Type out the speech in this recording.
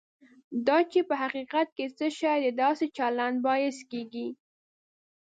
دا چې په حقیقت کې څه شی د داسې چلند باعث کېږي.